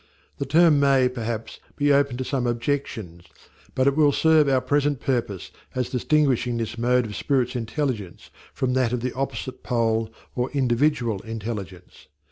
The term may, perhaps, be open to some objections, but it will serve our present purpose as distinguishing this mode of spirit's intelligence from that of the opposite pole, or Individual Intelligence.